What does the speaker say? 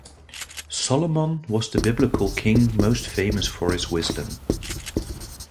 Solomon was the Biblical king most famous for his wisdom.